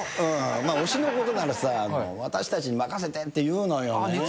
まあ推しのことならさあ、私たちに任せてっていうのよ。